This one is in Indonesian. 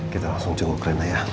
kita langsung jenguk rena ya